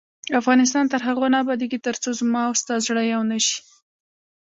افغانستان تر هغو نه ابادیږي، ترڅو زما او ستا زړه یو نشي.